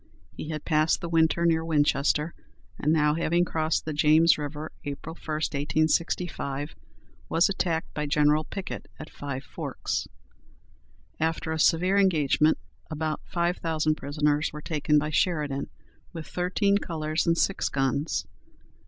He had passed the winter near Winchester, and now having crossed the James River, April 1, 1865, was attacked by General Pickett at Five Forks. After a severe engagement about five thousand prisoners were taken by Sheridan, with thirteen colors and six guns.